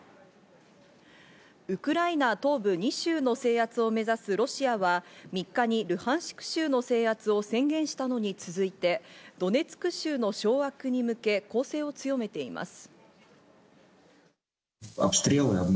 ウクライナ東部２州の制圧を目指すロシアは、３日にルハンシク州の制圧を宣言したのに続いてドネツク州の掌握に向け攻勢を強めています。